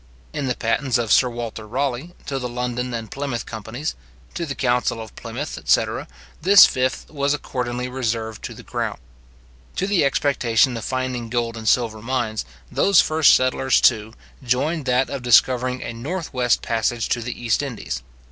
In the patents of Sir Waiter Raleigh, to the London and Plymouth companies, to the council of Plymouth, etc. this fifth was accordingly reserved to the crown. To the expectation of finding gold and silver mines, those first settlers, too, joined that of discovering a north west passage to the East Indies.